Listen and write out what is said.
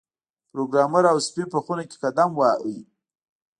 پروګرامر او سپی په خونه کې قدم واهه